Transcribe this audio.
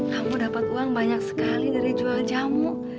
kamu dapat uang banyak sekali dari jual jamu